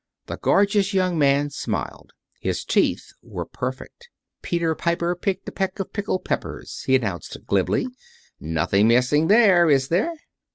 The gorgeous young man smiled. His teeth were perfect. "Peter Piper picked a peck of pickled peppers," he announced, glibly. "Nothing missing there, is there?"